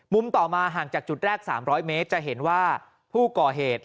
ต่อมาห่างจากจุดแรก๓๐๐เมตรจะเห็นว่าผู้ก่อเหตุ